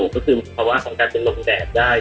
ก็คือครั้วงานของเพื่อลงแดดได้